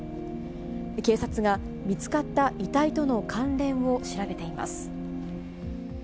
警察が、見つかった遺体との関連を調べています。